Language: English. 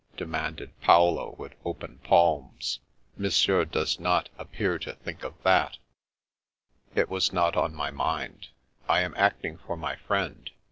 demanded Paolo, with open palms. " Monsieur does not ap pear to think of that" " It was not on my mind. I am acting for my friend.